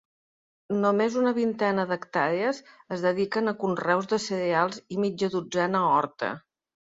Només una vintena d'hectàrees es dediquen a conreus de cereals i mitja dotzena a horta.